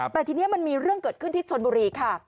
แต่ทีนี้มันมีเรื่องเกิดขึ้นที่ชนบุรีค่ะ